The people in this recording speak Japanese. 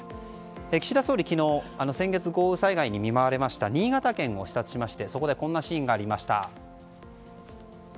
岸田総理、昨日先月、豪雨災害に見舞われました新潟県を視察しましてそこでこんなシーンがありました。